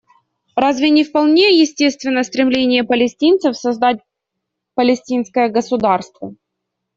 Разве не вполне естественно стремление палестинцев создать палестинское государство?